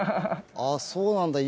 ああそうなんだ。